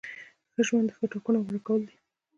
ښه ژوند د ښو ټاکنو غوره کول دي.